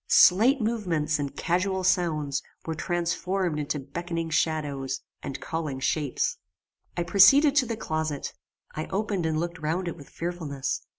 Slight movements and casual sounds were transformed into beckoning shadows and calling shapes. I proceeded to the closet. I opened and looked round it with fearfulness.